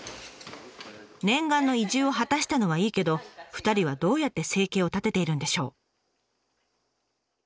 念願の移住を果たしたのはいいけど２人はどうやって生計を立てているんでしょう？